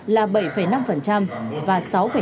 là bảy năm và sáu năm bảy